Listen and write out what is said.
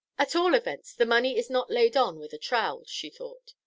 "At all events, the money is not laid on with a trowel," she thought.